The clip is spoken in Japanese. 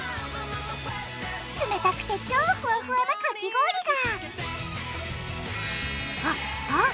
冷たくて超ふわふわなかき氷があっあっ！